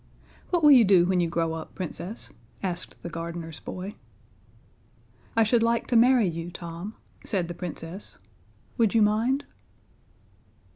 "What will you do when you grow up, Princess?" asked the gardener's boy. "I should like to marry you, Tom," said the Princess. "Would you mind?"